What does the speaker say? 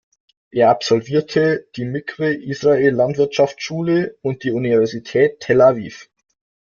Er absolvierte die Mikwe Israel-Landwirtschaftsschule und die Universität Tel Aviv.